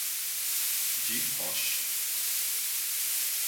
De rocha